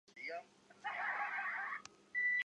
利涅罗勒人口变化图示